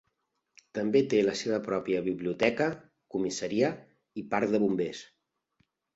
També té la seva pròpia biblioteca, comissaria i parc de bombers.